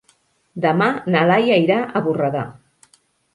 Demà na Laia irà a Borredà.